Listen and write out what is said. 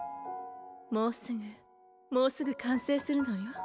もうすぐもうすぐ完成するのよ。